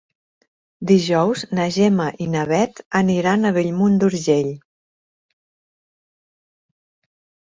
Dijous na Gemma i na Bet aniran a Bellmunt d'Urgell.